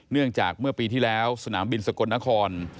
เนื่องจากเมื่อปีที่แล้วสนามบินสกลนคร